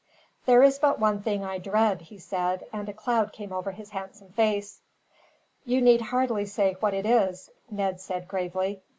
"There is but one thing I dread," he said, and a cloud came over his handsome face. "You need hardly say what it is," Ned said, gravely.